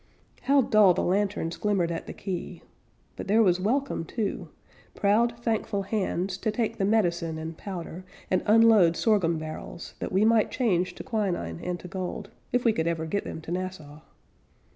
How dull the lanterns glimmered at the quay! But there was welcome, too, Proud, thankful hands, To take the medicine and powder, And unload sorghum barrels That we might change to quinine and to gold, If we could ever get them to Nassau.